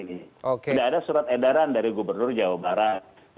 tidak ada surat edaran dari gubernur jawa barat